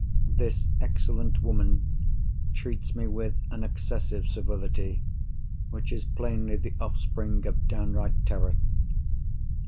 This excellent woman treats me with an excessive civility which is plainly the offspring of down right terror.